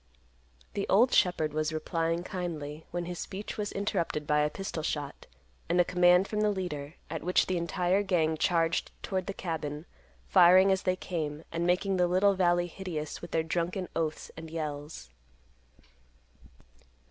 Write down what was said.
The old shepherd was replying kindly, when his speech was interrupted by a pistol shot, and a command from the leader, at which the entire gang charged toward the cabin, firing as they came, and making the little valley hideous with their drunken oaths and yells.